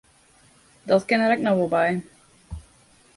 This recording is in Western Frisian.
Dat kin der ek noch wol by.